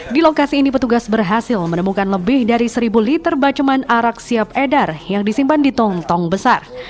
di lokasi ini petugas berhasil menemukan lebih dari seribu liter baceman arak siap edar yang disimpan di tong tong besar